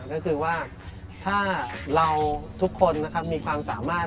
ก็คือว่าถ้าเราทุกคนนะครับมีความสามารถ